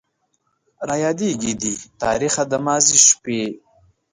رايادېږي دې تاريخه د ماضي شپې